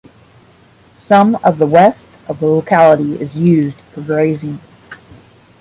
Some of the west of the locality is used for grazing.